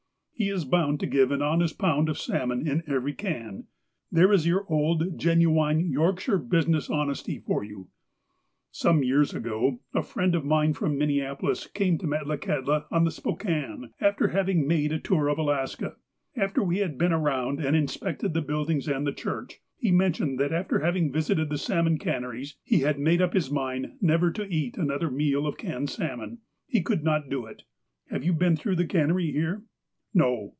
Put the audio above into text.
He is bound to give an honest pound of salmon in every can. There is old genuine Yorkshire business honesty for you ! Some years ago, a friend of mine from Minneapolis came to Metlakahtla on the Spokane, after having made a tour of Alaska. After we had been around and in spected the buildings and the church, he mentioned that after having visited the salmon canneries he had made up his mind never to eat another meal of canned salmon. He could not do it. " Have you been through the cannery here ?" '^No."